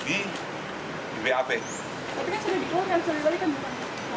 tapi kan sudah dikeluarkan sudah dibalikan bukan